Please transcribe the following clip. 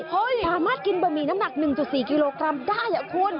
สามารถกินบะหมี่น้ำหนัก๑๔กิโลกรัมได้คุณ